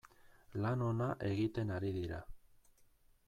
Lan ona egiten ari dira.